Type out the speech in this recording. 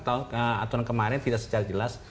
aturan kemarin tidak secara jelas